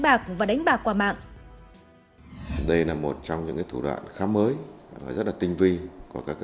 bạc và đánh bạc qua mạng đây là một trong những cái thủ đoạn khám mới và rất là tinh vi của các